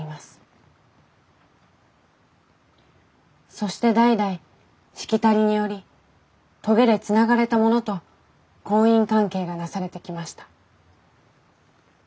そして代々しきたりにより棘でつながれた者と婚姻関係がなされてきました。